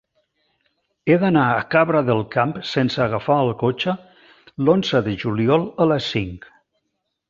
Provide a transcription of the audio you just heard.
He d'anar a Cabra del Camp sense agafar el cotxe l'onze de juliol a les cinc.